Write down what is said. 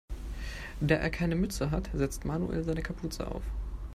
Da er keine Mütze hat, setzt Samuel seine Kapuze auf.